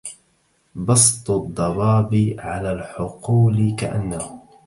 بسط الضباب على الحقول كأنه